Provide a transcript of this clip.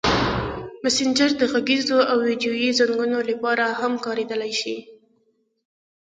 مسېنجر د غږیزو او ویډیويي زنګونو لپاره هم کارېدلی شي.